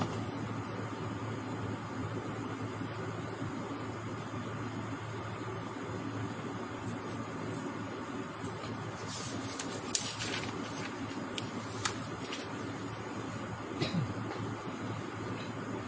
สวัสดีครับสวัสดีครับ